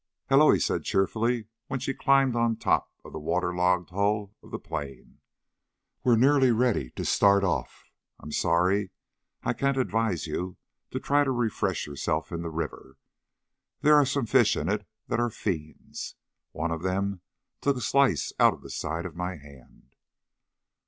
"Hullo," he said cheerfully when she climbed on top of the waterlogged hull of the plane. "We're nearly ready to start off. I'm sorry I can't advise you to try to refresh yourself in the river. There are some fish in it that are fiends. One of them took a slice out of the side of my hand."